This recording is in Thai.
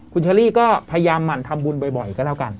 คุณเชอรี่ก็พยายามหมั่นทำบุญบ่อยก็แล้วกัน